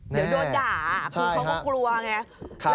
เดี๋ยวโดนด่าคือเขาก็กลัวไง